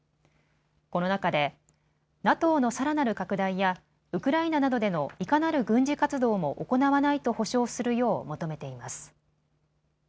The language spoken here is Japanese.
この中でＮＡＴＯのさらなる拡大やウクライナなどでのいかなる軍事活動も行わないと保証するよう求めています。